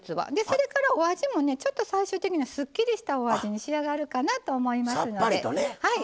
それからお味も最終的にはすっきりしたお味になるかなと思います。